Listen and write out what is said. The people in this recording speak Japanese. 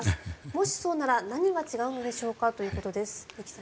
もしそうなら何が違うのでしょうか？ということです。